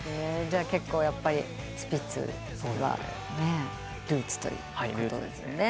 じゃあ結構やっぱりスピッツはルーツということですね。